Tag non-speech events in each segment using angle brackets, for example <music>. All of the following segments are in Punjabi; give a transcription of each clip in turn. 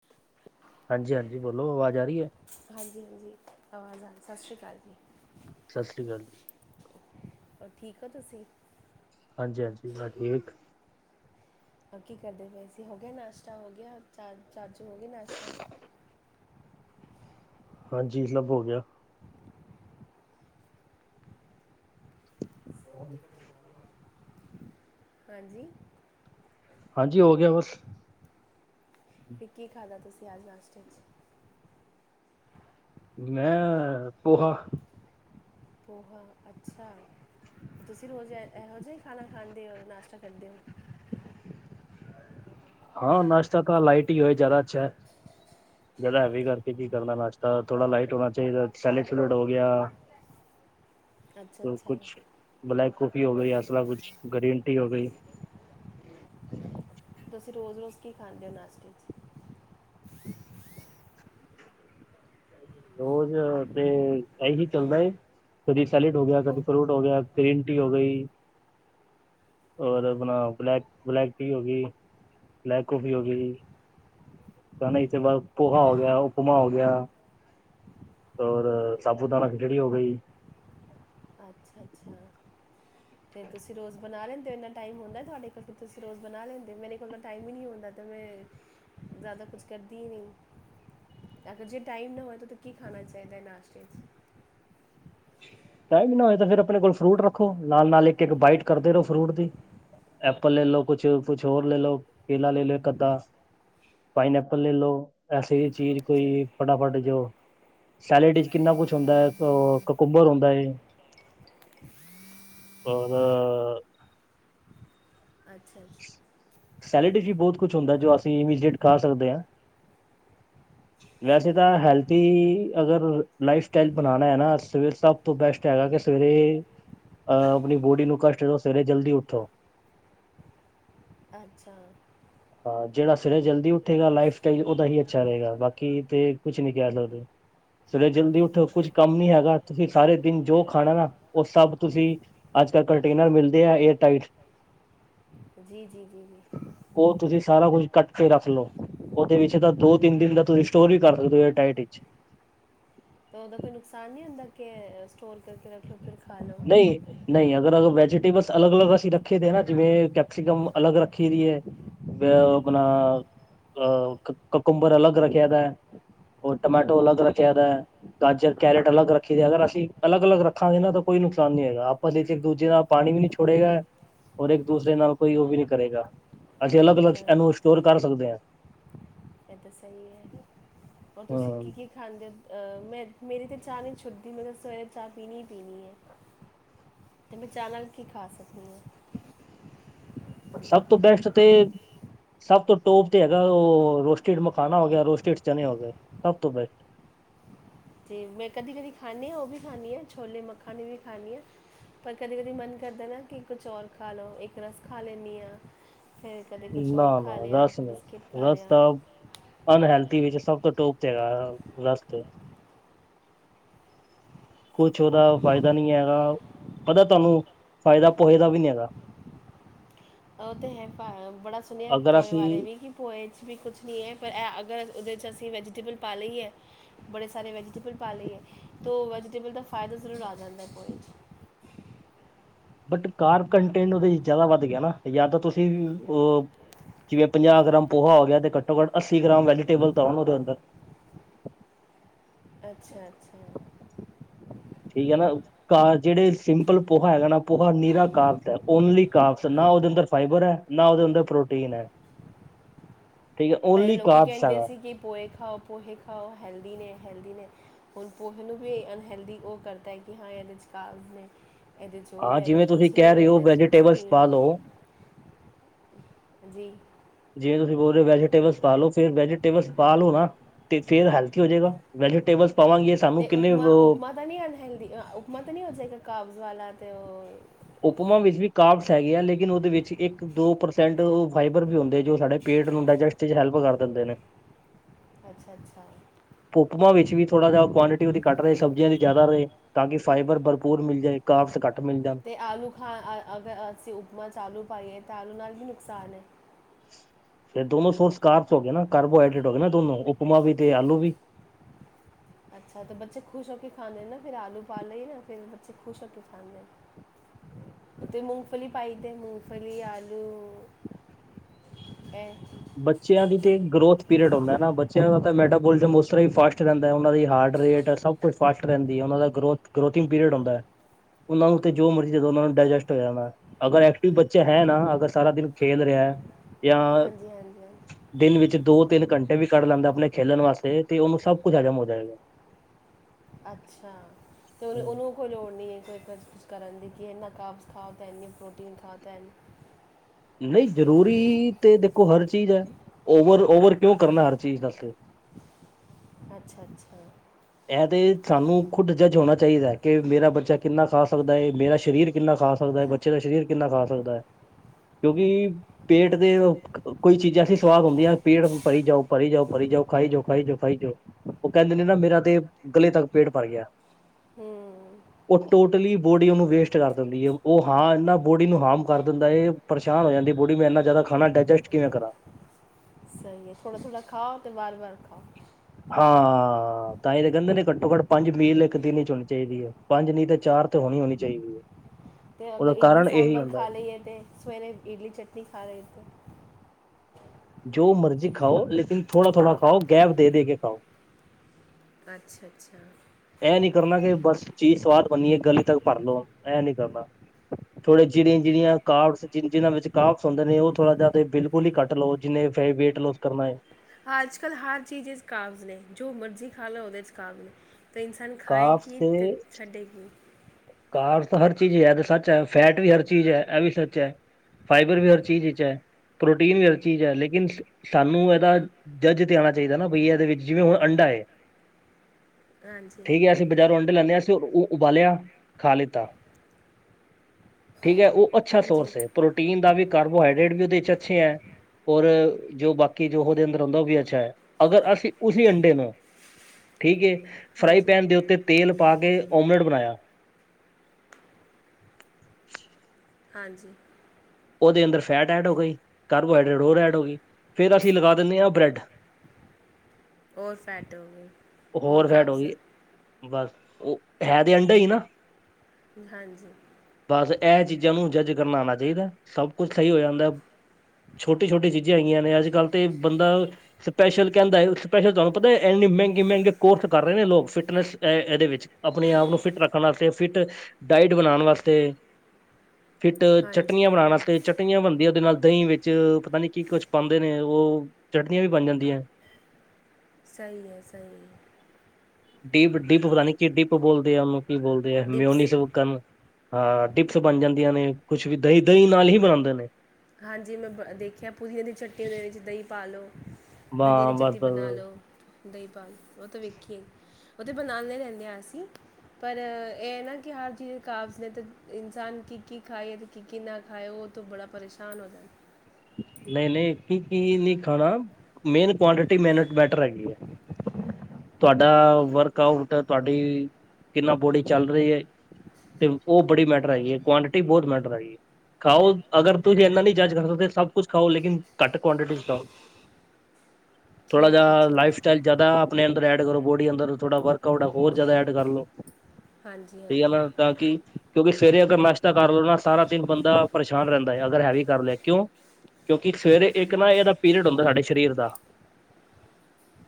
<inaudible> ਹਾਂਜੀ ਹਾਂਜੀ ਬੋਲੋ, ਆਵਾਜ਼ ਆ ਰਹੀ ਹੈ। ਹਾਂਜੀ ਹਾਂਜੀ ਆਵਾਜ਼ ਆ ਰਹੀ, ਸਤਿ ਸ਼੍ਰੀ ਅਕਾਲ ਜੀ। ਸਤਿ ਸ਼੍ਰੀ ਅਕਾਲ ਜੀ। ਹੋਰ ਠੀਕਓ ਤੁਸੀਂ? ਹਾਂਜੀ ਹਾਂਜੀ ਮੈਂ ਠੀਕ। ਅੋਹ ਕੀ ਕਰਦੇ ਪਏ ਸੀ, ਹੋ ਗਿਆ ਨਾਸ਼ਤਾ ਹੋ ਗਿਆ ਚਾ ਚਾਚੂ ਹੋ ਗਈ ਨਾਸ਼ਤਾ ਹਾਂਜੀ ਸੱਭ ਹੋ ਗਿਆ। ਹਾਂ ਹਾਂਜੀ। ਹਾਂਜੀ ਹੋ ਗਿਆ ਬਸ ਫਿਰ ਕੀ ਖਾਣਾ ਤੁਸੀਂ ਅੱਜ ਨਾਸਤੇ ਚ? ਮੈਂ ਪੋਹਾ। ਪੋਹਾ ਅੱਛਾ, ਤੁਸੀਂ ਰੋਜ਼ ਇਹ ਇਹੋ ਜਿਹਾ ਹੀ ਖਾਣਾ ਖਾਂਦੇ ਹੋ, ਨਾਸ਼ਤਾ ਕਰਦੇ ਹੋ? ਹਾਂ ਨਾਸ਼ਤਾ ਤਾਂ ਲਾਈਟ ਹੀ ਹੋਏ ਜ਼ਿਆਦਾ ਅੱਛਾ ਏ। ਜਿਆਦਾ ਹੈਵੀ ਕਰਕੇ ਕੀ ਕਰਨਾ ਨਾਸ਼ਤਾ ਥੋੜਾ ਲਾਈਟ ਹੋਣਾ ਚਾਹੀਦਾ ਸੈਲਡ ਸੂਲਡ ਹੋ ਗਿਆ ਅੱਛਾ ਅੱਛਾ ਕੁੱਛ ਬਲੈਕ ਕੌਫੀ ਹੋ ਗਈ, ਇਸ ਤਰਾਂ ਕੁਛ ਗਰੀਨ ਟੀ ਹੋ ਗਈ। ਤੁਸੀਂ ਰੋਜ਼ ਰੋਜ਼ ਕੀ ਖਾਂਦੇ ਹੋ? ਨਾਸ਼ਤੇ 'ਚ। <inaudible> ਰੋਜ਼ ਤੇ ਆਹੀ ਹੀ ਚੱਲਦਾ ਏ। ਕਦੀ ਸੈਲਡ ਹੋ ਗਿਆ, ਕਦੀ ਫਰੂਟ ਹੋ ਗਿਆ, ਗ੍ਰੀਨ ਟੀ ਹੋ ਗਈ। ਔਰ ਆਪਣਾ ਬਲੈਕ ਬਲੈਕ ਟੀ ਹੋ ਗਈ, ਬਲੈਕ ਕੌਫੀ ਹੋ ਗਈ। ਤਾਂ ਨਹੀਂ ਤੇ ਪੋਹਾ ਹੋ ਗਿਆ, ਉਪਮਾ ਹੋ ਗਿਆ। ਔਰ ਸਾਬੂ ਦਾਨ ਖਿਚੜੀ ਹੋ ਗਈ। ਅੱਛਾ ਅੱਛਾ। ਫਿਰ ਤੁਸੀਂ ਰੋਜ਼ ਬਣਾ ਲੈਂਦੇ ਹੋ, ਇੰਨਾ ਟਾਈਮ ਹੁੰਦਾ ਤੁਹਾਡੇ ਕੋਲ ਕੇ ਤੁਸੀਂ ਰੋਜ਼ ਬਣਾ ਲੈਂਦੇ ਹੋ, ਮੇਰੇ ਕੋਲ ਤਾਂ ਟਾਈਮ ਹੀ ਨਹੀਂ ਹੁੰਦਾ ਅਤੇ ਮੈਂ ਜ਼ਿਆਦਾ ਕੁਛ ਕਰਦੀ ਹੀ ਨਹੀਂ। ਅਗਰ ਜੇ ਟਾਈਮ ਨਾ ਹੋਏ ਤਾਂ ਕੀ ਖਾਣਾ ਚਾਹੀਦਾ ਹੈ ਨਾਸ਼ਤੇ ਚ? ਟਾਈਮ ਨਾ ਹੋਏ ਤਾਂ ਫਿਰ ਆਪਣੇ ਕੋਲ ਫਰੂਟ ਰੱਖੋ ਨਾਲ, ਨਾਲ ਇੱਕ, ਇੱਕ ਬਾਈਟ ਕਰਦੇ ਰਹੋ ਫਰੂਟ ਦੀ। ਐਪਲ ਲੈ ਲੋ ਕੁਛ ਕੁਛ ਹੋਰ ਲੈ ਲੋ ਕੇਲਾ ਲੈ ਲਓ ਇਕ ਅੱਧਾ। ਪਾਈਨ ਐਪਲ ਲੈ ਲੋ ਐਸੀ ਚੀਜ਼। ਕੋਈ ਫਟਾਫਟ ਜੋ ਸੈਲਡ ਚ ਕਿੰਨਾ ਕੁਛ ਹੁੰਦਾ ਹੈ ਉਹ ਕਕੁੰਬਰ ਹੁੰਦਾ ਔਰ। ਅੱਛਾ ਅੱਛਾ। ਸੈਲਡ ਵਿੱਚ ਵੀ ਬਹੁਤ ਕੁਛ ਹੁੰਦਾ ਜੋ ਅਸੀਂ ਇਮੀਜੇਏਟ ਖਾ ਸਕਦੇ ਹਾਂ। ਵੈਸੇ ਤਾਂ ਹੈਲਥੀ ਅਗਰ ਲਾਈਫ ਸਟਾਈਲ ਬਣਾਉਣਾ ਹੈ ਨਾ ਸਵੇਰੇ ਸਭ ਤੋਂ ਬੈਸਟ ਹੈਗਾ ਕਿ ਸਵੇਰੇ। ਅਹ ਆਪਣੀ ਬੋਡੀ ਨੂੰ ਕਸ਼ਟ ਦੋ ਸਵੇਰੇ ਜਲਦੀ ਉੱਠੋ। ਅੱਛਾ। ਹਾਂ, ਜਿਹੜਾ ਸਵੇਰੇ ਜਲਦੀ ਉੱਠੇਗਾ ਲਾਈਫ ਸ ਉਹਦਾ ਹੀ ਅੱਛਾ ਰਹੇਗਾ ਬਾਕੀ ਤੇ ਕੁਛ ਨੀ ਕਹਿ ਸਕਦੇ। ਸਵੇਰੇ ਜਲਦੀ ਉੱਠੋ ਕੁੱਝ ਕੰਮ ਨੀ ਹੈਗਾ ਤੁਸੀਂ ਸਾਰੇ ਦਿਨ ਜੋ ਖਾਣਾ ਨਾ ਓ ਸਭ ਤੁਸੀਂ ਅੱਜ ਕੱਲ ਕੰਟੇਨਰ ਮਿਲਦੇ ਐ ਏਅਰ ਟਾਈਟ ਜੀ ਜੀ ਜੀ ਜੀ। ਓ ਤੁਸੀਂ ਸਾਰਾ ਕੁਝ ਕੱਟ ਕੇ ਰੱਖਲੋ। ਉਹਦੇ ਵਿੱਚ ਤਾਂ ਦੋ ਤਿੰਨ ਦਿਨ ਦਾ ਤੁਸੀ ਰਿਸਟੋਰ ਵੀ ਕਰ ਸਕਦੇ ਹੋ ਏ ਡਾਈਟ ਵਿੱਚ। ਤਾਂ ਉਹਦਾ ਕੋਈ ਨੁਕਸਾਨ ਨਹੀਂ ਹੁੰਦਾ ਕਿ ਸਟੋਰ ਕਰਕੇ ਰੱਖਲੋ ਫਿਰ ਖਾਲੋ। ਨਈ। ਨਈ, ਅਗਰ ਅਗ ਵੈਜੀਟੇਬਲਸ ਅਲੱਗ ਅਲੱਗ ਅਸੀਂ ਰੱਖੇ ਦੇ ਨਾ ਜਿਵੇਂ ਕੈਪਸੀਕਮ ਅਲੱਗ ਰੱਖੀ ਦੀ ਐ। ਅ ਆਪਣਾ ਅ ਕੁਕਮਬਰ ਅਲੱਗ ਰੱਖਿਆ ਦਾ। ਓ ਟਮਾਟੋ ਅਲੱਗ ਰੱਖਿਆ ਦਾ ਗਾਜਰ ਕੈਰੇਟ ਅਲੱਗ ਰੱਖੀ ਦਾ ਅਗਰ ਅਸੀਂ ਅਲੱਗ ਅਲੱਗ ਰੱਖਾਂਗੇ ਨਾਂ ਤਾਂ ਕੋਈ ਨੁਕਸਾਨ ਨੀ ਹੈਗਾ ਆਪਸ ਦੇ ਵਿੱਚ ਇੱਕ ਦੂਜੇ ਨਾਲ ਪਾਣੀ ਵੀ ਨੀ ਛੋੜੇਗਾ। ਔਰ ਇੱਕ ਦੂਸਰੇ ਨਾਲ ਕੋਈ ਉਹ ਵੀ ਨੀ ਕਰੇਗਾ ਅਸੀਂ ਅਲੱਗ ਅਲੱਗ ਇਹਨੂੰ ਸਟੋਰ ਕਰ ਸਕਦੇ ਆ। ਏ ਤਾਂ ਸਹੀ ਐ ਔਰ ਤੁਸੀਂ ਕੀ ਹਾਂ ਕੀ ਖਾਂਦੇ ਮੈਂ ਮੇਰੀ ਤਾਂ ਚਾਹ ਨੀ ਛੁੱਡਦੀ ਮੈਂ ਸਵੇਰੇ ਚਾਹ ਪੀਣੀ ਈ ਪੀਣੀ ਐ। ਤੇ ਮੈਂ ਚਾਹ ਨਾਲ ਕੀ ਖਾ ਸਕਦੀ ਆ। ਸਭ ਤੋਂ ਬੈਸਟ ਤੇ ਸਭ ਤੋਂ ਟੋਪ ਤੇ ਹੈਗਾ ਉਹ ਰੋਸਟਡ ਮਖਾਨਾ ਹੋ ਗਿਆ ਰੋਸਟਡ ਚਨੇ ਹੋ ਗਏ ਸਭ ਤੋਂ ਬੈਸਟ। ਤੇ ਮੈਂ ਕਦੀ ਕਦੀ ਖਾਣੀ ਆ ਓ ਵੀ ਖਾਣੀ ਆ ਛੋਲੇ ਮਖਾਣੇ ਵੀ ਖਾਣੀ ਆ। ਪਰ ਕਦੀ ਕਦੀ ਮਨ ਕਰਦਾ ਨਾ ਕਿ ਕੁਛ ਔਰ ਖਾ ਲੋ ਇੱਕ ਰਸ ਖਾ ਲੈਣੀ ਆ ਫਿਰ। ਕਦੇ ਕੁਛ ਨਾ ਹੋਰ ਖਾ ਨਾ ਲਿਆ ਰਸ ਬਿਸਕਿਟ ਨਹੀਂ ਖਾ ਰਸ ਲਿਆ। ਤਾਂ ਅਨਹੈਲਥੀ ਵਿੱਚ ਸਭ ਤੋਂ ਟੋਪ ਤੇ ਹੈਗਾ ਰਸ ਤੇ, ਕੁਛ ਉਹਦਾ ਫ਼ਾਇਦਾ ਨੀ ਹੈਗਾ ਪਤਾ ਤੁਹਾਨੂੰ ਫ਼ਾਇਦਾ ਪੁਹੇ ਦਾ ਵੀ ਨੀ ਹੈਗਾ। ਓ ਤੇ ਹੈ ਪਰ ਬੜਾ ਸੁਣਿਆ ਅਗਰ ਪੋਹੇ ਅਸੀਂ ਬਾਰੇ ਵੀ ਕਿ ਪੋਹੇ 'ਚ ਵੀ ਕੁਛ ਨੀ ਐ ਪਰ ਅਗਰ ਉਹਦੇ 'ਚ ਅਸੀਂ ਵੈਜੀਟੇਬਲ ਪਾ ਲਈਏ ਬੜੇ ਸਾਰੇ ਵੈਜੀਟੇ ਬਲ ਪਾ ਲਈਏ ਤੋਂ ਵੈਜੀਟੇਬਲ ਦਾ ਫਾਇਦਾ ਜ਼ਰੂਰ ਆ ਜਾਂਦਾ ਪੋਹੇ 'ਚ। ਬਟ ਕਾਰ ਕੰਟੈਂਟ ਉਹਦੇ ਚ ਜ਼ਿਆਦਾ ਵੱਧ ਗਿਆ ਨਾ ਜਾਂ ਤਾਂ ਤੁਸੀਂ ਓ, ਜਿਵੇਂ ਪੰਜਾਹ ਗ੍ਰਾਮ ਪੋਹਾ ਹੋ ਗਿਆ ਤੇ ਘੱਟੋ ਘੱਟ ਅੱਸੀ ਗ੍ਰਾਮ ਵੈਜੀਟੇਬਲ ਤਾਂ ਹੋਣ ਉਹਦੇ ਅੰਦਰ ਅੱਛਾ ਅੱਛਾ। ਠੀਕ ਐ ਨਾ। ਤਾਂ ਜਿਹੜੇ ਸਿੰਪਲ ਪੋਹਾ ਹੈਗਾ ਨਾ ਪੋਹਾ ਨੀਰਾ ਕਾਪਸ ਐ ਓਨਲੀ ਕਾਪਸ ਨਾ ਉਹਦੇ ਅੰਦਰ ਫਾਈਬਰ ਐ। ਨਾ ਉਹਦੇ ਅੰਦਰ ਪ੍ਰੋਟੀਨ ਐ। <inaudible> ਪਹਿਲੇ ਲੋਕੀ ਕਾਰਬਸ ਕਹਿੰਦੇ ਹੈਗਾ ਸੀ ਕਿ ਪੋਹੇ ਖਾਓ ਪੋਹੇ ਖਾਓ ਹੈਲਦੀ ਨੇ ਹੈਲਦੀ ਨੇ। ਹੁਣ ਪੋਹੇ ਨੂੰ ਵੀ ਅਨਹਲਦੀ ਓ ਕਰਤਾਂ ਕਿ ਹਾਂ ਇਹਦੇ ਚ <unintelligible> ਨੇ। ਇਹਦੇ ਚ ਓ ਹਾਂ ਐ ਇਹਦੇ ਚ ਜਿਵੇਂ ਤੁਸੀਂ ਕੁਛ ਨੀ ਕਹਿ ਐ ਰਹੇ ਹੋ ਇਹਦੇ ਚ ਕੁਛ ਵੈਜੀਟੇਬਲਸ ਨੀ ਐ। ਪਾ ਲਓ ਜੀ। ਜਿਵੇਂ ਤੁਸੀਂ ਬੋਲ ਰੇ ਓ ਵੈਜੀਟੇਬਲਸ ਪਾ ਲੋ, ਫਿਰ ਵੈਜੀਟੇਬਲਸ ਪਾ ਲੋ ਨਾ। ਤੇ ਫੇਰ ਹੈਲਥੀ ਹੋਜੇਗਾ ਵੈਜੀਟੇਬਲ- ਤੇ ਉਪਮਾ-ਉਪਮਾ ਤਾਂ ਨੀ ਅਨ-ਹੈਲਥੀ ਉਪਮਾ ਤਾਂ ਨੀ ਹੋਜੇਗਾ ਕਾਵਸ ਵਾਲਾ ਤੇ ਓ, ਉਪਮਾ ਵਿੱਚ ਵੀ ਕਾਵਸ ਹੈਗੇ ਆ ਲੇਕਿਨ ਉਹਦੇ ਵਿੱਚ ਇੱਕ ਦੋ ਪਰਸੈਂਟ ਉਹ ਫਾਈਬਰ ਵੀ ਹੁੰਦੇ ਜੋ ਸਾਡੇ ਪੇਟ ਨੂੰ ਡਾਇਜੈਸਟ ਚ ਹੈਲਪ ਕਰ ਦਿੰਦੇ ਨੇ। ਅੱਛਾ, ਅੱਛਾ। ਉਪਮਾਂ ਵਿੱਚ ਵੀ ਥੋੜਾ ਜਾ ਕੁਆਂਟਿਟੀ ਉਹਦੀ ਘੱਟ ਰਹੇ ਸਬਜ਼ੀਆਂ ਦੀ ਜ਼ਿਆਦਾ ਰਹੇ। ਤਾਂ ਕਿ ਫਾਈਬਰ ਭਰਪੂਰ ਮਿਲ ਜਾਏ ਕਾਵਸ ਘੱਟ ਮਿਲ ਜਾਣ। ਤੇ ਆਲੂ ਖਾ ਅਗਰ ਅਸੀਂ ਉਪਮਾ ਚ ਆਲੂ ਪਾਈਏ ਤਾਂ ਆਲੂ ਨਾਲ ਵੀ ਨੁਕਸਾਨ ਐ। ਫੇਰ ਦੋਨੋਂ ਸੋਰਸ ਕਾਬਸ ਹੋ ਗਏ ਨਾ ਕਾਰਬੋਹਾਈਡਰੇਟ ਹੋ ਗਏ ਨਾ ਦੋਨੋਂ। ਉਪਮਾ ਵੀ ਤੇ ਆਲੂ ਵੀ। ਅੱਛਾ ਤੇ ਬੱਚੇ ਖੁਸ਼ ਹੋ ਕੇ ਖਾਂਦੇ ਨਾ ਫਿਰ ਆਲੂ ਪਾ ਲਈਏ ਨਾ ਫਿਰ ਬੱਚੇ ਖੁਸ਼ ਹੋ ਕੇ ਖਾਂਦੇ ਨੇ। ਉਤੇ ਮੂੰਗਫਲੀ ਪਾਈ ਦੇ ਮੂੰਗਫਲੀ, ਆਲੂ ਐ। ਬੱਚਿਆਂ ਦੀ ਤੇ ਗਰੋਥ ਪੀਰੀਅਡ ਹੁੰਦਾ ਨਾ ਬੱਚਿਆਂ ਦਾ ਤਾਂ ਮੈਟਾਬੋਲਿਜਮ ਉਸ ਤਰ੍ਹਾਂ ਹੀ ਫਾਸਟ ਰੈਂਦਾ। ਉਹਨਾਂ ਦੀ ਹਾਰਟ ਰੇਟ ਸਭ ਤੋਂ ਫਾਸਟ ਰੈਂਦੀ ਐ। ਉਹਨਾਂ ਦਾ ਗਰੋਥ ਗਰੋਥਿੰਗ ਪੀਰੀਅਡ ਹੁੰਦਾ ਐ। ਉਹਨਾਂ ਨੂੰ ਤੇ ਜੋ ਮਰਜ਼ੀ ਦੋ ਉਹਨਾ ਨੂੰ ਡਾਇਜੈਸਟ ਹੋ ਜਾਂਦਾ। ਅਗਰ ਐਕਟਿਵ ਬੱਚੇ ਹੈ ਨਾ ਅਗਰ ਸਾਰਾ ਦਿਨ ਖੇਲ ਰਿਹਾ ਜਾਂ ਜੀ, ਹਾਂਜੀ, ਹਾਂਜੀ। ਦਿਨ ਵਿੱਚ ਦੋ-ਤਿੰਨ ਘੰਟੇ ਵੀ ਕੱਢ ਲੈਂਦਾ ਆਪਣੇ ਖੇਲਣ ਵਾਸਤੇ ਤੇ ਉਹਨੂੰ ਸਭ ਕੁਝ ਹਜ਼ਮ ਹੋ ਜਾਏਗਾ। ਅੱਛਾ ਤੇ ਉਹ ਉਹਨੂੰ ਕੋਈ ਲੋੜ ਨਈ ਐ ਕੋਈ ਕੁਝ ਕਰਨ ਦੀ ਕਿ ਇੰਨਾ ਕਾਵਜ਼ ਖਾਓ ਤੇ ਪ੍ਰੋਟੀਨ ਖਾਓ ਤੇ ਏਨੀਂ ਨਈਂ ਜ਼ਰੂਰੀ ਤੇ ਦੇਖੋ ਹਰ ਚੀਜ਼ ਐ ਓਵਰ-ਓਵਰ ਕਿਉਂ ਕਰਨਾ ਹਰ ਚੀਜ਼ ਦੱਸ। ਅੱਛਾ, ਅੱਛਾ। ਇਹ ਤੇ ਸਾਨੂੰ ਖੁੱਦ ਜੱਜ ਹੋਣਾ ਚਾਈਦਾ ਐ ਕਿ ਮੇਰਾ ਬੱਚਾ ਕਿੰਨਾ ਖਾ ਸਕਦਾ ਐ। ਮੇਰਾ ਸਰੀਰ ਕਿੰਨਾ ਖਾ ਸਕਦਾ ਐ। ਬੱਚੇ ਦਾ ਸਰੀਰ ਕਿੰਨਾ ਖਾ ਸਕਦਾ ਐ ਕਿਉਂਕਿ ਪੇਟ ਦੇ ਕੋਈ ਚੀਜ਼ਾਂ ਏਸੀ ਸਵਾਦ ਹੁੰਦੀਆਂ ਪੇਟ ਭਰੀ ਜਾਓ, ਭਰੀ ਜਾਓ, ਭਰੀ ਜਾਓ, ਖਾਈ ਜਾਓ, ਖਾਈ ਜਾਓ, ਖਾਈ ਜਾਓ। ਉਹ ਕੈਂਦੇ ਨੇ ਨਾ ਮੇਰਾ ਤੇ ਗਲੇ ਤੱਕ ਪੇਟ ਭਰ ਗਿਆ। ਹਂ ਉਹ ਟੋਟਲੀ ਬੋਡੀ ਉਹਨੂੰ ਵੇਸਟ ਕਰ ਦਿੰਦੀ ਐ। ਉਹ ਹਾਂ ਇਹਨਾਂ ਬੋਡੀ ਨੂੰ ਹਾਰਮ ਕਰ ਦਿੰਦਾ ਐ। ਪਰੇਸ਼ਾਨ ਹੋ ਜਾਂਦੀ ਬੋਡੀ ਮੈਂ ਇੰਨਾ ਜ਼ਿਆਦਾ ਖਾਣਾ ਡਾਇਜਸਟ ਕਿਵੇਂ ਕਰਾਂ। ਸਈ ਐ। ਥੋੜਾ-ਥੋੜਾ ਖਾਓ, ਤੇ ਬਾਰ-ਬਾਰ ਖਾਓ। ਹਾਂ। ਤਾਂਹੀ ਤੇ ਕੈਂਦੇ ਨੇ ਘੱਟੋ-ਘੱਟ ਪੰਜ ਮੀਲ ਇੱਕ ਦਿਨ ਚ ਹੋਣੀ ਚਾਈਦੀ ਐ। ਪੰਜ ਨੀ ਤੇ ਚਾਰ ਤੇ ਹੋਣੀ-ਹੋਣੀ ਚਾਈਦੀ ਐ। ਤੇ ਅਗਰ ਇਡਲੀ ਸਾਂਬਰ ਖਾ ਹੈ ਲਈਏ ਤੇ ਸਵੇਰੇ ਇਡਲੀ ਚਟਨੀ ਖਾ ਲਈ ਤੇ ਜੋ ਮਰਜ਼ੀ ਖਾਓ, ਲੇਕਿਨ ਥੋੜਾ-ਥੋੜਾ ਖਾਓ, ਗੈਪ ਦੇ ਦੇ ਕੇ ਖਾਓ। ਅੱਛਾ, ਅੱਛਾ। ਇਹ ਨ੍ਹੀਂ ਕਰਨਾ ਕਿ ਬਸ ਚੀਜ਼ ਸਵਾਦ ਬਣੀ ਏ ਗਲੇ ਤੱਕ ਭਰ ਲਓ। ਇਹ ਨ੍ਹੀਂ ਕਰਨਾ। ਥੋੜੇ ਜਿਹੜੀਆਂ-ਜਿਹੜੀਆਂ ਕਾਵਸ ਜਿਨ੍ਹਾਂ ਵਿੱਚ ਕਾਵਸ ਹੁੰਦੇ ਨੇ ਉਹ ਥੋੜਾ ਜਿਹਾ ਬਿਲਕੁਲ ਹੀ ਘੱਟ ਲਓ। ਜਿੰਨੇ ਫੇ ਵੇਟ ਲੋਸ ਕਰਨਾ ਏ। ਅੱਜ-ਕੱਲ੍ਹ ਹਰ ਚੀਜ਼ ਚ ਕਾਵਜ਼ ਨੇ ਜੋ ਮਰਜ਼ੀ ਖਾ ਲਓ ਉਹਦੇ ਚ ਕਾਵਜ਼ ਨੇ। ਤੇ ਇਨਸਾਨ ਖਾਏ ਕਾਫ ਕੀ ਤੇ ਛੱਡੇ ਕੀ। ਕਾਵਜ ਤਾਂ ਹਰ ਚੀਜ਼ ਐ ਏ ਤਾਂ ਸੱਚ ਐ। ਫੈਟ ਵੀ ਹਰ ਚੀਜ਼ ਐ। ਇਹ ਵੀ ਸੱਚ ਐ। ਫਾਈਬਰ ਵੀ ਹਰ ਚੀਜ਼ ਇੱਚ ਐ। ਪ੍ਰੋਟੀਨ ਵੀ ਹਰ ਚੀਜ਼ ਐ ਲੇਕਿਨ ਸਾਨੂੰ ਇਹਦਾ ਜੱਜ ਤੇ ਆਣਾ ਚਾਈਦਾ ਨਾ ਬਈ ਇਹਦੇ ਵਿੱਚ ਜਿਵੇਂ ਹੁਣ ਅੰਡਾ ਏ। ਹਾਂਜੀ। ਅਸੀਂ ਬਜ਼ਾਰੋਂ ਆਂਡੇ ਲਿਆਂਦੇ। ਅਸੀਂ ਉਹਨੂੰ ਉਬਾਲਿਆ ਤੇ ਖਾ ਲਿੱਤਾ। ਠੀਕ ਐ। ਉਹ ਅੱਛਾ ਹੂੰ ਜੀ ਸੋਰਸ ਐ ਪ੍ਰੋਟੀਨ ਦਾ ਵੀ ਕਾਰਬੋਹਾਈਡਰੇਟ ਵੀ ਉਹਦੇ ਇੱਚ ਅੱਛੇ ਐ। ਔਰ ਜੋ ਬਾਕੀ ਜੋ ਉਹਦੇ ਅੰਦਰ ਹੁੰਦਾ ਦਾ ਉਹ ਵੀ ਅੱਛਾ ਐ, ਅਗਰ ਅਸੀਂ ਉਸੀ ਅੰਡੇ ਨੂੰ ਠੀਕ ਏ, ਫਰਾਈ ਹਾਂਜੀ ਪੈਨ ਦੇ ਉੱਤੇ ਤੇਲ ਪਾ ਕੇ ਓਮਲੇਟ ਬਣਾਇਆ <inaudible> ਹਾਂਜੀ। ਉਹਦੇ ਅੰਦਰ ਫੈਟ ਐਡ ਹੋ ਗਈ ਕਾਰਬੋਹਾਈਡਰੇਟ ਹੋਰ ਐਡ ਹੋ ਗਈ ਫੇਰ ਅਸੀਂ ਲਗਾ ਦਿੰਣੇ ਆਂ ਬ੍ਰੈਡ। ਹੋਰ ਫੈਟ ਹੋ ਗਈ ਹੋਰ ਕਾਬਜ਼। ਬੱਸ ਓ ਹੈ ਤੇ ਅੰਡਾ ਈ ਏਨਾ। ਤੇ ਹਾਂਜੀ। ਬਸ ਐਹ ਚੀਜ਼ਾਂ ਨੂੰ ਜੱਜ ਕਰਨਾ ਆਨਾ ਚਾਈਦੈ। ਸਭ ਕੁਝ ਸਈ ਹੋ ਜਾਂਦੈ। ਛੋਟੀ-ਛੋਟੀ ਚੀਜਾਂ ਹੈਗੀਆਂ ਨੇ ਆੱਜ-ਕਾੱਲ ਤੇ ਬੰਦਾ ਸਪੈਸ਼ਲ ਕੈਂਦੈ, ਸਪੈਸ਼ਲ ਤੁਆਨੂੰ ਪਤੈ ਐਂਨੀ ਮੈਂਗੇ-ਮੈਂਗੇ ਕੋਰਸ ਕਰ ਰਏ ਨੇ ਲੋਗ, ਫਿਟਨੈਸ ਐ ਐਦੇ ਵਿੱਚ। ਆਪਣੇ ਆਪ ਨੂੰ ਫਿੱਟ ਰੱਖਨ ਆਸਤੇ, ਫਿੱਟ ਡਾਇਟ ਬਨਾਨ ਵਾਸਤੇ ਫਿੱਟ ਹਾਂਜੀ ਚਟਨੀਆਂ ਬਨਾਨ ਆ ਹਾਂਜੀ ਚਟਨੀਆਂ ਬਨਦੀਆਂ ਓਦੇ ਨਾਲ ਦਈਂ ਵਿੱਚ ਪਤਾ ਨੀ ਕੀ ਕੁਛ ਪਾਂਦੇ ਨੇ ਓ ਚਟਨੀਆਂ ਵੀ ਬਨ ਜਾਂਦੀਐ। ਸਈ ਐ-ਸਈ ਐ। ਡੀਪ ਡਿਪ ਪਤਾ ਨੀ ਕੀ ਡਿਪ ਬੋਲਦੇ ਆ ਓਨੂੰ ਕੀ ਬੋਲਦੇ ਐ ਡਿਪਸ ਮਿਓਨਿਸ ਲੋਕਾਂ ਨੂੰ ਹਾਂ, ਡਿਪਸ ਬਨ ਜਾਂਦੀਆਂ ਨੇ। ਕੁਛ ਵੀ ਦਈਂ, ਦਈਂ ਨਾਲ ਹੀ ਬਨਾਂਦੇ ਨੇ। ਹਾਂਜੀ ਮੈਂ ਬ ਦੇਖਿਆ ਪੂਹੇਂ ਦੀ ਚੱਟੀਂ ਦੇ ਵਿੱਚ ਦਈਂ ਪਾ ਲੋ। ਧਨੀਏ ਦੀ ਵਾਹ ਬਸ ਚੱਟੀ ਬਨਾ ਲੋ। ਦਈਂ ਭਾਲ ਓ ਤੇ ਵੇਖੇਆ ਈ ਓ ਤੇ ਬਣਾਨਦੇ ਰੇਨੇਂ ਆਂ ਅਸੀ। ਪਰ ਐ ਨਾ ਕਿ ਹਰ ਚੀਜ਼ ਕਾਬਜ਼ ਨੇ ਤੇ ਇਨਸਾਨ ਕੀ-ਕੀ ਖਾਈਏ ਤੇ ਕੀ-ਕੀ ਨਾ ਖਾਏ ਓ ਤੇ ਬੜਾ ਪਰੇਸ਼ਾਨ ਹੋ ਜਾਏ। ਨਈ-ਨਈ ਕੀ-ਕੀ ਏ ਨਈ ਖਾਣਾ। ਮੇਨ ਕੁਆਂਟਟੀ ਮੇਨਤ ਬੈਟਰ ਹੈਗੀ ਐ। ਤੁਆਡਾ ਵਰਕ ਆਊਟ ਤੁਆਡੀ ਕਿੰਨਾ ਬੋਡੀ ਚੱਲ ਰਈ ਏ ਤੇ ਓ ਬੜੀ ਮੈਟਰ ਹੈਗੀ ਏ, ਕੁਆਂਟਟੀ ਬੋਤ ਮੈਟਰ ਹੈਗੀ ਏ। ਖਾਓ ਅਗਰ ਤੁਹੀ ਐਨਾ ਨੀ ਜੱਜ ਕਰ ਸਕਦੇ ਸਭ ਕੁਛ ਖਾਓ ਲੇਕਿਨ ਘੱਟ ਕੁਆਂਟਟੀ 'ਚ ਖਾਓ। ਥੋੜਾ ਜਾ ਠੀਕ ਹੈ ਠੀਕ ਲਾਈਫ ਹੈ। ਸਟਾਈਲ ਜਿਆਦਾ ਆਪਣੇ ਅੰਦਰ ਐਡ ਕਰੋ। ਬੋਡੀ ਅੰਦਰ ਥੋੜਾ ਵਰਕਆਊਟ ਆ ਹੋਰ ਜ਼ਿਆਦਾ ਐਡ ਕਰ ਲੋ। ਹਾਂਜੀ ਥ੍ਰੀ ਹਾਂਜੀ ਐਮ ਐਮ ਹਾਂਜੀ ਤਾਂ ਕੀ ਕਿਉਂਕਿ ਸਵੇਰੇ ਅਗਰ ਨਸ਼ਤਾ ਕਰ ਲੋ ਨਾ ਸਾਰਾ ਤਿੰਨ ਬੰਦਾ ਪਰੇਸ਼ਾਨ ਰੈਂਦੈ, ਅਗਰ ਹੈਵੀ ਕਰ ਲੇਐ ਕਿਉਂ ਕਿਉਂਕਿ ਸਵੇਰੇ ਏੱਕ ਨਾ ਏਦਾ ਪੀਰੀਅਡ ਹੁੰਦੈ ਸਾਡੇ ਸ਼ਰੀਰ ਦਾ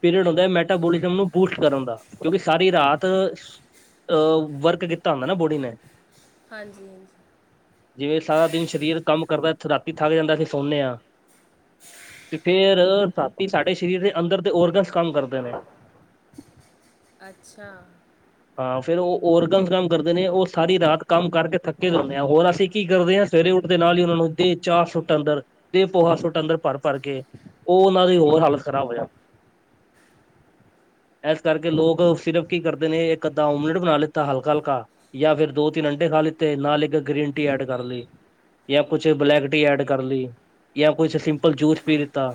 ਪੀਰੀਅਡ ਹੁੰਦੈ ਮੈਟਾਬੋਲਿਜ਼ਮ ਨੂੰ ਬੂਸਟ ਕਰਨ ਦਾ ਕਿਉਂਕਿ ਸਾਰੀ ਰਾਤ ਅ ਵਰਕ ਕੀਤਾ ਹੁੰਦੈ ਨਾ, ਬੋਡੀ ਨੇ। ਹਾਂਜੀ-ਹਾਂਜੀ। ਜਿਵੇਂ ਸਾਰਾ ਦਿਨ ਸ਼ਰੀਰ ਕੰਮ ਕਰਦੈ ਏੱਥ ਰਾਤੀ ਥੱਕ ਜਾਂਦੈ ਅਸੀ ਸੌਨੇਂ ਆਂ। ਫੇ ਫੇਰ ਰਾਤੀ ਸਾਡੇ ਸਰੀਰ ਦੇ ਅੰਦਰ ਦੇ ਔਰਗਨਸ ਕੰਮ ਕਰਦੇ ਨੇ। ਅੱਛਾ। ਹਾਂ ਫੇਰ ਓ ਔਰਗਨਸ ਕੰਮ ਕਰਦੇ ਨੇ ਓ ਸਾਰੀ ਰਾਤ ਕੰਮ ਕਰਕੇ ਥੱਕੇ ਦੇ ਹੁੰਨੇਂ ਆਂ। ਹੋਰ ਅਸੀ ਕੀ ਕਰਦੇ ਆਂ ਤਵੇਰੇ ਉੱਠਦੇ ਨਾਲ ਈ ਓਨਾ ਨੂੰ ਦੇ ਚਾਰ ਸ਼ੁੱਟ ਅੰਦਰ ਤੇ ਪੋਹਾ ਸੁੱਟ ਅੰਦਰ ਭਰ-ਭਰ ਕੇ ਓ ਓਨਾਂ ਦੀ ਹੋਰ ਹਾਲਤ ਖ਼ਰਾਬ ਹੋਏਆ। ਐਸ ਕਰਕੇ ਲੋਕ ਸਿਰਫ ਕੀ ਕਰਦੇ ਨੇ ਇੱਕ ਅੱਧਾ ਓਮਲੇਟ ਬਨਾ ਲਿੱਤਾ ਹਲਕਾ-ਹਲਕਾ ਯਾਂ ਫਿਰ ਦੋ-ਤਿੰਨ ਅੰਡੇ ਖਾ ਲਿੱਤੇ ਨਾਲ ਇੱਕ ਗ੍ਰੀਨ ਟੀ ਐਡ ਕਰ ਲਈ ਯਾਂ ਕੁਛ ਬਲੈਕ ਟੀ ਐਡ ਕਰ ਲਈ ਯਾਂ ਕੁਛ ਸਿੰਪਲ ਜੂਸ ਪੀ ਲਿੱਤਾ।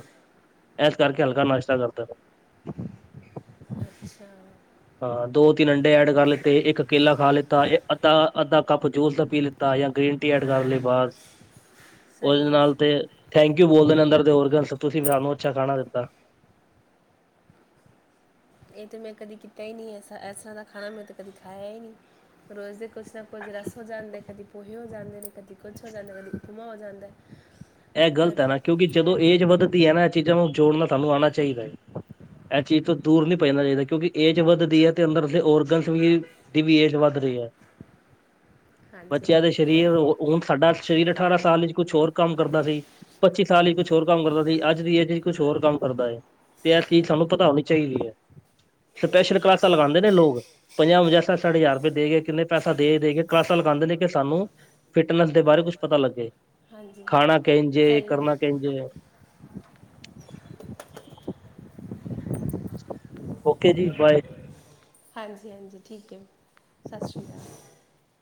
ਐਸ ਕਰਕੇ ਹਲਕਾ ਨਾਸ਼ਤਾ ਕਰਦੇ ਪੇ ਅੱਛਾ। ਹਾਂ ਦੋ ਤਿੰਨ ਅੰਡੇ ਐਡ ਕਰ ਲਿੱਤੇ, ਇੱਕ ਕੇਲਾ ਖਾ ਲਿੱਤਾ, ਏ ਅ ਤਾਂ ਅੱਧਾ ਕੱਪ ਜੂਸ ਦਾ ਪੀ ਲਿੱ ਤਾ ਯਾਂ ਗ੍ਰੀਨ ਟੀ ਐਡ ਕਰ ਲਈ ਬਾਸ ਸਹੀ ਓਦੇ ਹੈ ਨਾਲ ਤੇ ਥੈਂਕ ਯੂ ਬੋਲਦੇ ਨਾ ਅੰਦਰ ਤੇ ਹੋਰ ਗੱਲ ਸੋਚੀ ਸੀ ਕਿ ਹਾਨੂੰ ਅੱਛਾ ਖਾਣਾ ਦਿੱਤਾ। ਇਹ ਤਾਂ ਮੈਂ ਕਦੇ ਕੀਤਾ ਈ ਨੀ ਇਸ ਤਰ੍ਹਾਂ ਦਾ ਖਾਣਾ ਮੈਂ ਤਾਂ ਕਦੀ ਖਾਇਆ ਈ ਨੀ ਰੋਜ਼ ਦੇ ਕੁਛ ਨਾ ਕੁਝ ਰਸ ਹੋ ਜਾਂਦਾ ਕਦੀ ਪੋਹੇ ਹੋ ਜਾਂਦੇ ਨੇ ਕਦੀ ਕੁਛ ਹੋ ਜਾਂਦਾ ਕਦੀ ਉਪਮਾ ਹੋ ਜਾਂਦਾ। ਏ ਗ਼ਲਤ ਐ ਨਾ ਕਦੀ ਕਿਉਂਕਿ ਜਦੋਂ ਏਜ ਵੱਧਦੀ ਐ ਨਾ ਇਹ ਚੀਜ਼ਾਂ ਨੂੰ ਜੋੜਨਾ ਸਾਨੂੰ ਆਣਾ ਚਾਹੀਦਾ। ਇਹ ਚੀਜ਼ ਤੋਂ ਦੂਰ ਨੀ ਭੱਜਣਾ ਚਾਹੀਦਾ ਕਿਉਂਕਿ ਏਜ ਵੱਧਦੀ ਐ ਤੇ ਅੰਦਰ ਦੇ ਔਰਗਨ ਵੀ। ਦੀ ਵੀ ਏਜ ਵੱਧ ਰੀ ਐ। <inaudible> ਬੱਚਿਆਂ ਦੇ ਹਾਂਜੀ ਸਰੀਰ ਹੁਣ ਸਾਡਾ ਸਰੀਰ ਅਠਾਰਾਂ ਸਾਲ ਵਿੱਚ ਕੁਛ ਹੋਰ ਕੰਮ। ਕਰਦਾ ਸੀ ਪੱਚੀ ਸਾਲ ਵਿੱਚ ਕੁਛ ਹੋਰ ਕੰਮ ਕਰਦਾ ਸੀ ਅੱਜ ਦੀ ਏਜ ਵਿੱਚ ਕੁਛ ਹੋਰ ਕੰਮ ਕਰਦਾ ਏ। ਤੇ ਇਹ ਚੀਜ਼ ਸਾਨੂੰ ਪਤਾ ਹੋਣੀ ਚਾਹੀਦੀ ਐ ਸਪੈਸ਼ਲ ਕਲਾਸਾਂ ਲਗਾਂਦੇ ਨੇ ਲੋਕ। ਪੰਜਾਹ ਪੰਜਾਹ ਸੱਠ ਸੈਠ ਹਜ਼ਾਰ ਰੁਪਏ ਦੇ ਕੇ ਕਿਨੇ ਪੈਸਾ ਦੇ ਦੇ ਕੇ ਕਲਾਸਾਂ ਲਗਾਂਦੇ ਨੇ ਕਿ ਸਾਨੂੰ। ਫਿਟਨੈਸ ਦੇ ਬਾਰੇ ਕੁਛ ਪਤਾ ਲੱਗੇ ਹਾਂਜੀ ਖਾਣਾ ਕਿੰਝ ਏ ਜੇ ਸਹੀ ਹੈ। ਕਰਨਾ ਕਿੰਝ ਏ। ਓਕੇ ਜੀ ਬਾਏ। ਹਾਂਜੀ ਹਾਂਜੀ ਠੀਕ ਐ। ਸਤਿ ਸ਼੍ਰੀ ਅਕਾਲ।